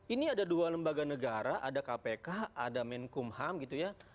ini ada dua lembaga negara ada kpk ada menkumham gitu ya